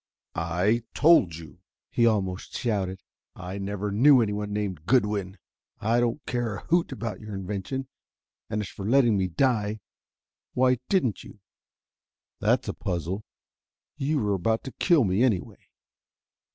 "I told you," he almost shouted. "I never knew anyone named Goodwin! I don't care a hoot about your invention. And as for letting me die why didn't you? That's a puzzle: you were about to kill me, anyway."